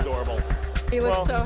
dia terlihat sangat senang